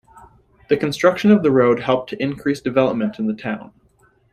The construction of the road helped to increase development in the town.